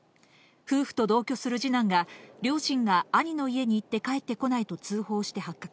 夫婦と同居する次男が、両親が兄の家に行って帰ってこないと通報して発覚。